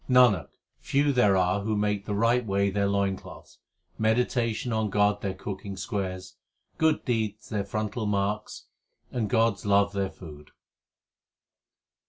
Nanak, few there are who make the right way their loin cloths, meditation on God their cooking squares, Good deeds their frontal marks, and God s love their food.